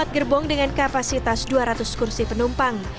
empat gerbong dengan kapasitas dua ratus kursi penumpang